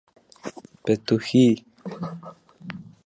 Jebkuram skolotājam šādi strādāt ir daudz grūtāk nekā pirms tam.